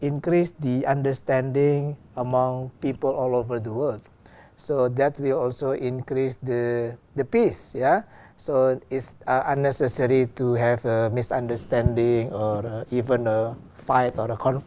nhưng tôi cũng có thể nói được trong ngôn ngữ việt nam